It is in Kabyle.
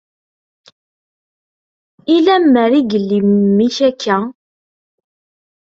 I lemmer d ay yelli memmi-k akka?